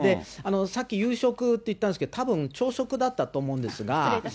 さっき夕食といったんですけど、たぶん朝食だったと思うんですが。